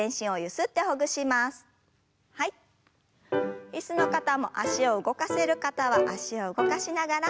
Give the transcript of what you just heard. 椅子の方も脚を動かせる方は脚を動かしながら。